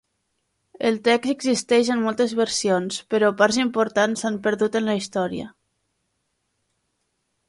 El text existeix en moltes versions, però parts importants s'han perdut en la història.